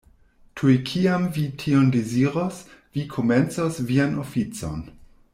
Tuj kiam vi tion deziros, vi komencos vian oficon.